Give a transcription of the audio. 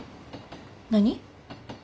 何？